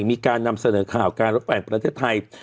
มีการนำเสนอข่าวการรถไฟประเทศไทย